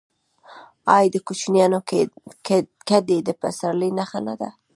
آیا د کوچیانو کډې د پسرلي نښه نه ده؟